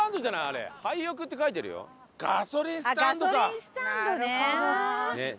あっガソリンスタンドね。